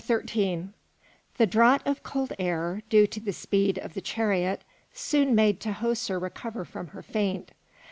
XIII The draught of cold air, due to the speed of the chariot, soon made Tahoser recover from her faint.